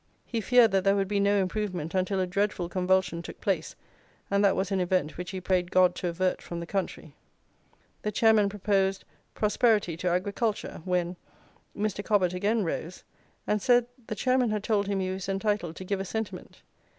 He feared that there would be no improvement until a dreadful convulsion took place, and that was an event which he prayed God to avert from the country. "The Chairman proposed 'Prosperity to Agriculture,' when "Mr. Cobbett again rose, and said the Chairman had told him he was entitled to give a sentiment.